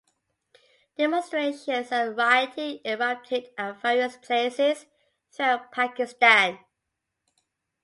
Demonstrations and rioting erupted at various places throughout Pakistan.